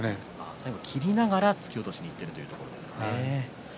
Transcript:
最後、切りながら突き落としにいっているんですね。